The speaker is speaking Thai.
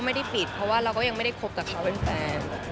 ไม่ได้ปิดเพราะว่าเราก็ยังไม่ได้คบกับเขาเป็นแฟน